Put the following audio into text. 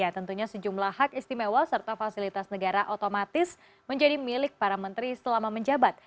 tentunya sejumlah hak istimewa serta fasilitas negara otomatis menjadi milik para menteri selama menjabat